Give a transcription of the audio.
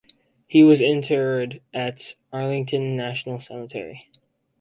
He was interred at Arlington National Cemetery.